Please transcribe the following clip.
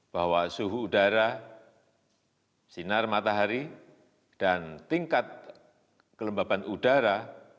bahwa suhu udara sinar matahari dan tingkat kelembaban udara